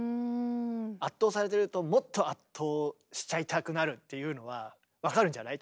圧倒されてるともっと圧倒しちゃいたくなるっていうのは分かるんじゃない？